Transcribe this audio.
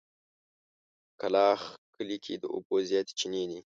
کلاخ کلي کې د اوبو زياتې چينې دي.